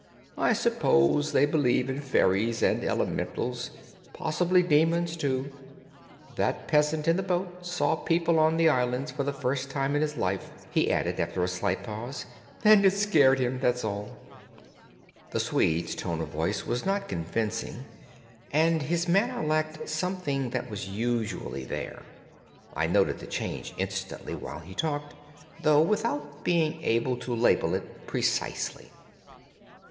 I suppose they believe in fairies and elementals, possibly demons, too. That peasant in the boat saw people on the islands for the first time in his life," he added, after a slight pause, "and it scared him, that's all." The Swede's tone of voice was not convincing, and his manner lacked something that was usually there. I noted the change instantly while he talked, though without being able to label it precisely.